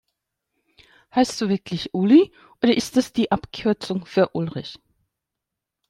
Heißt du wirklich Uli, oder ist das die Abkürzung für Ulrich?